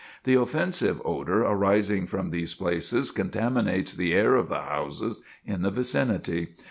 The offensive odor arising from these places contaminates the air of the houses in the vicinity.